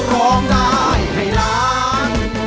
ร้องได้ให้ล้าน